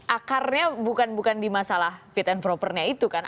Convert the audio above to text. akarnya bukan bukan di masalah fit and propernya itu kan